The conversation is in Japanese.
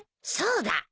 そうだ。